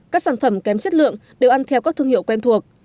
các sản phẩm kém chất lượng đều ăn theo các thương hiệu quen thuộc